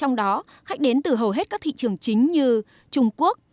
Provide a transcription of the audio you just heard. trong đó khách đến từ hầu hết các thị trường chính như trung quốc